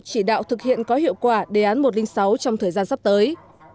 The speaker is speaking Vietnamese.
chỉ đạo thực hiện có hiệu quả đề án một trăm linh sáu trong thời gian sắp tới